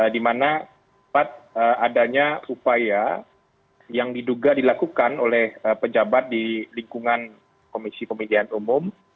dimana pak adanya upaya yang diduga dilakukan oleh pejabat di lingkungan komisi pemilihan umum